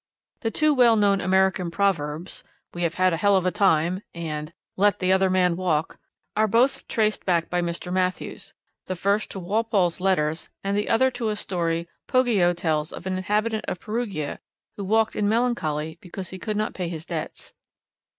The two well known American proverbs, 'We have had a hell of a time' and 'Let the other man walk' are both traced back by Mr. Matthews: the first to Walpole's letters, and the other to a story Poggio tells of an inhabitant of Perugia who walked in melancholy because he could not pay his debts.